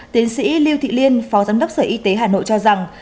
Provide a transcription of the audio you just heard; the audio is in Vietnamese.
tiến sĩ lưu thị liên phó giám đốc sở y tế hà nội cho rằng